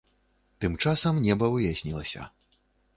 Тым часам неба выяснілася.